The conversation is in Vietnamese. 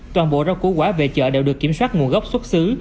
toàn bộ rau củ quả về chợ đều được kiểm soát nguồn gốc xuất xứ